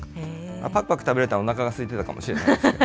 ぱくぱく食べられたのはおなかがすいてたのかもしれませんけれども。